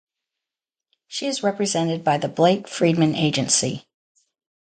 She is represented by the Blake Friedmann agency.